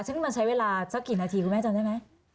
ซึ่งมันใช้เวลาสักกี่นาทีคุณแม่จำได้ไหม